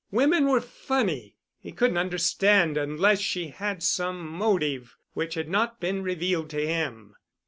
Women were funny. He couldn't understand, unless she had some motive which had not been revealed to him.